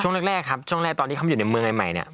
ช่วงแรกครับช่วงแรกตอนที่เขาอยู่ในเมืองใหม่เนี่ย